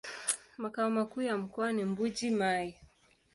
Makao makuu ya mkoa ni Mbuji-Mayi.